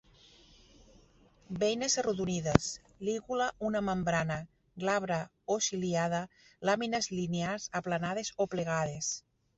Beines arrodonides; lígula una membrana, glabra o ciliada; làmines linears, aplanades o plegades.